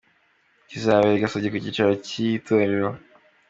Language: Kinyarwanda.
Kizabera i Gasogi ku cyicaro cy’iri torero.